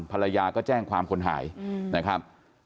ภรรยาก็แจ้งความคนหายนะครับ